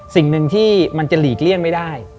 สิ่งหนึ่งที่มันจะหลีกเลี่ยงไม่ได้